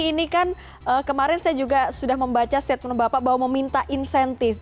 ini kan kemarin saya juga sudah membaca statement bapak bahwa meminta insentif